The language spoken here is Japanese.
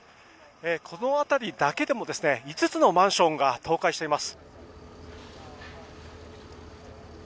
この辺りだけでも５つのマンションが倒壊しています。